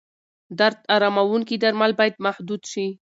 درد اراموونکي درمل باید محدود شي.